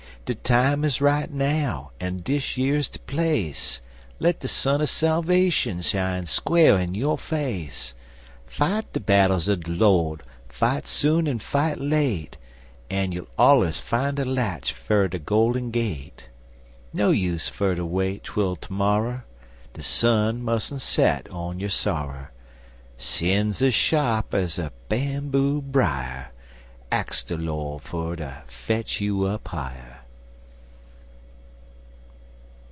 De time is right now, en dish yer's de place Let de sun er salvashun shine squar' in yo' face; Fight de battles er de Lord, fight soon en fight late, En you'll allers fine a latch ter de golden gate. No use fer ter wait twel termorrer, De sun musn't set on yo' sorrer Sin's ez sharp ez a bamboo brier, Ax de Lord fer ter fetch you up higher!